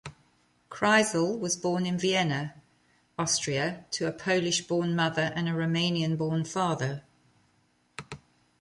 Kreisel was born in Vienna, Austria to a Polish-born mother and a Romanian-born father.